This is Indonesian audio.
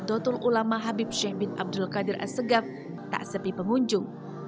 dhatul ulama habib syahibin abdul qadir as segaf tak sepi pengunjung